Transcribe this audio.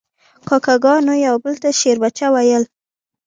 کاکه ګانو یو بل ته شیربچه ویل.